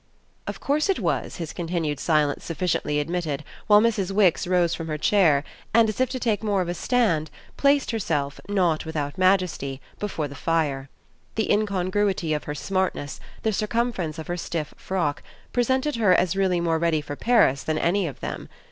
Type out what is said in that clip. Of course it was, his continued silence sufficiently admitted while Mrs. Wix rose from her chair and, as if to take more of a stand, placed herself, not without majesty, before the fire. The incongruity of her smartness, the circumference of her stiff frock, presented her as really more ready for Paris than any of them.